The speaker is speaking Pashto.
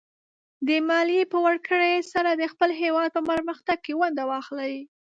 د مالیې په ورکړې سره د خپل هېواد په پرمختګ کې ونډه واخلئ.